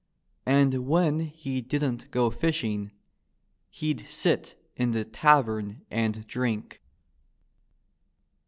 And when he didn't go fishing he'd sit in the tavern and drink.